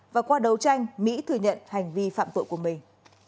và qua đấu tranh mỹ thừa nhận hành vi phạm tội của mình